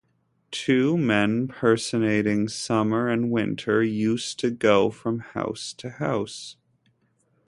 Two men personating Summer and Winter used to go from house to house.